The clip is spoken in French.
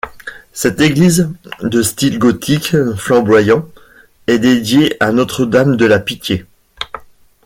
Cette église, de style gothique flamboyant, est dédiée à Notre-Dame-de-la-Pitié.